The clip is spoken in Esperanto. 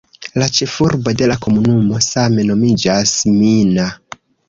La ĉefurbo de la komunumo same nomiĝas "Mina".